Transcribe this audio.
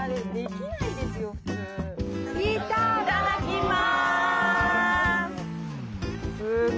いただきます！